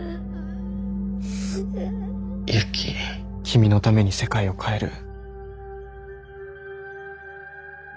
君のために世界を変える。